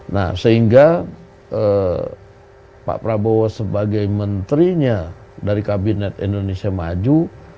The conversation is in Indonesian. nah sehingga pak prabowo sebagai menterinya dari kabinet indonesia maju